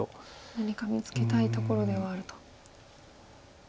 何か見つけたいところではあると。